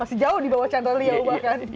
masih jauh di bawah channel liao bahkan